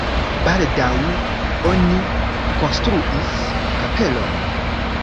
Baldaŭ oni konstruis kapelon.